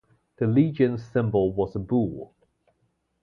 The legion's symbol was a bull.